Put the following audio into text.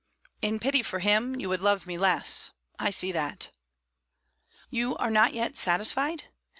"In pity for him, you would love me less. I see that." "You are not yet satisfied?